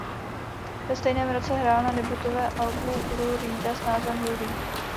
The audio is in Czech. Ve stejném roce hrál na debutovém albu Lou Reeda s názvem "Lou Reed".